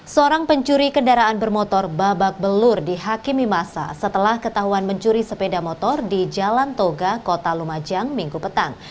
seorang pencuri kendaraan bermotor babak belur di hakimi masa setelah ketahuan mencuri sepeda motor di jalan toga kota lumajang minggu petang